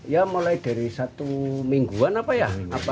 ya mulai dari satu mingguan apa ya